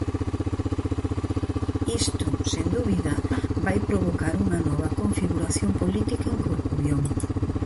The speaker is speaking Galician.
Isto, sen dúbida, vai provocar unha nova configuración política en Corcubión.